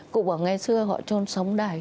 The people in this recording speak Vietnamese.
cụ bảo ngày xưa họ trôn sống đầy